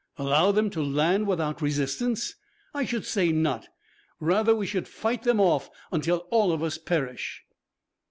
"Allow them to land without resistance? I should say not! Rather we should fight them off until all of us perish."